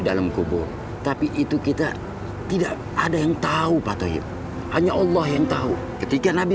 dalam kubur tapi itu kita tidak ada yang tahu pak tohib hanya allah yang tahu ketika nabi